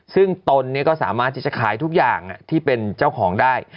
ซึ่งตนก็สามารถที่จะขายทุกอย่างที่เป็นเจ้าของได้